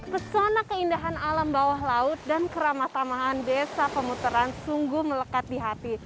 persona keindahan alam bawah laut dan keramatamahan desa pemutaran sungguh melekat di hati